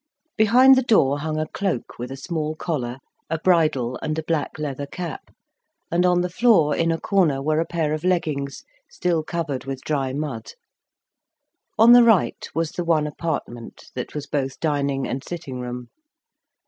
Behind the door hung a cloak with a small collar, a bridle, and a black leather cap, and on the floor, in a corner, were a pair of leggings, still covered with dry mud. On the right was the one apartment, that was both dining and sitting room.